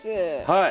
はい。